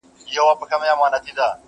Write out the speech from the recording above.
له عطاره دوکان پاته سو هک پک سو!!